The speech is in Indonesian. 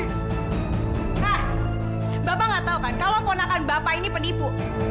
nah bapak nggak tahu kan kalau ponakan bapak ini penipu